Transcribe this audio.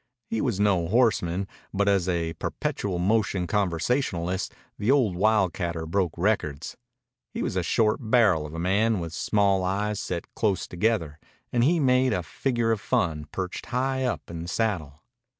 He was no horseman, but as a perpetual motion conversationalist the old wildcatter broke records. He was a short barrel of a man, with small eyes set close together, and he made a figure of fun perched high up in the saddle.